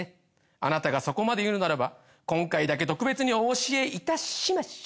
あなたがそこまで言うのならば今回だけ特別にお教えいたしましょ。